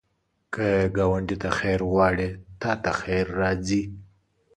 که ګاونډي ته خیر غواړې، تا ته خیر راځي